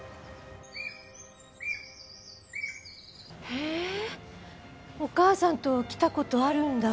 へえお母さんと来た事あるんだ。